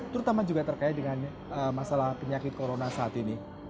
terutama juga terkait dengan masalah penyakit corona saat ini